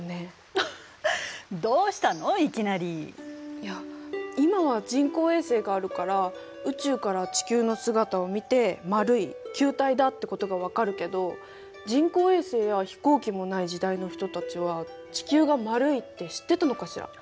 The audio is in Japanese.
いや今は人工衛星があるから宇宙から地球の姿を見て丸い球体だってことがわかるけど人工衛星や飛行機もない時代の人たちは地球が丸いって知ってたのかしら？